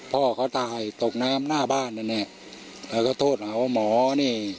พ่อเขาตายตกน้ำหน้าบ้านแน่แน่แล้วก็โทษมาว่าหมอนี่